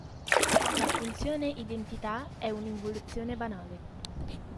La funzione identità è un'involuzione banale.